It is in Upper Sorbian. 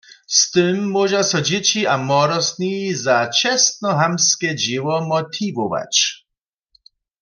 Z tym móža so dźěći a młodostni za čestnohamtske dźěło motiwować.